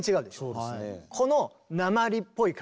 そうですね。